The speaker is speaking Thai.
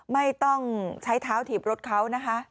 ไม่ต้องใช้เท้าถีบรถเขานะคะ